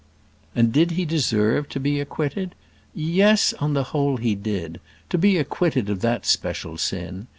And did he deserve to be acquitted? Yes, upon the whole he did; to be acquitted of that special sin.